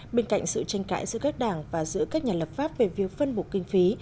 bên cạnh sự tranh cãi giữa các đảng và giữa các nhà lập pháp về việc phân bổ kinh phí